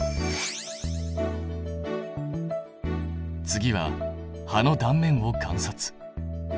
次は葉の断面を観察。